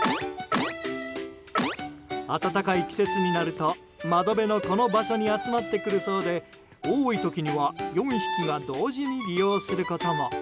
暖かい季節になると、窓辺のこの場所に集まってくるそうで多い時には４匹が同時に利用することも。